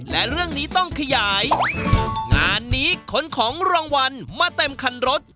และเรื่องนี้ต้องขยายงานนี้ขนของรางวัลมาเต็มคันรถ